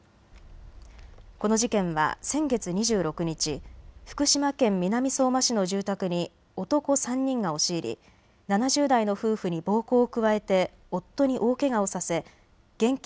この事件は先月２６日、福島県南相馬市の住宅に男３人が押し入り７０代の夫婦に暴行を加えて夫に大けがをさせ現金